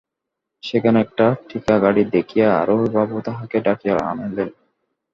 সেখানে একটা ঠিকাগাড়ি দেখিয়া, আরোহী বাবু তাহাকে ডাকিয়া আনাইলেন।